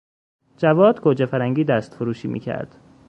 جواد گوجه فرنگی دستفروشی میکرد.